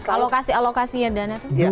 alokasinya dana itu